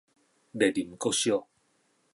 麗林國小